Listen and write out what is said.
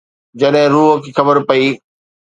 جڏهن رحه کي خبر پئي